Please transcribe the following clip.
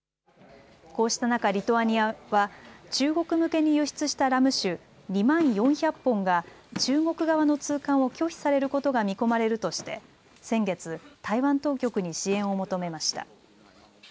こうした中、リトアニアは中国向けに輸出したラム酒２万４００本が中国側の通関を拒否されることが見込まれるとして先月、台湾当局に支援を求めました。